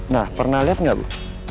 nah pernah lihat nggak bu